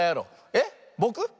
えっぼく？